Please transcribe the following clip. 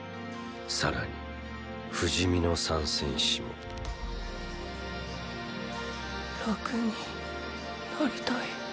さらに不死身の三戦士もーー楽になりたい。